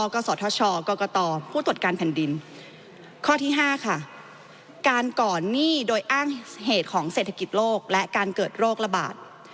ข้อที่๕ค่ะการก่อนหนี้โดยอ้างเหตุของเศรษฐกิจโรคและการเกิดโรคระบาด